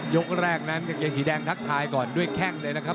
ยกแรกนั้นกางเกงสีแดงทักทายก่อนด้วยแข้งเลยนะครับ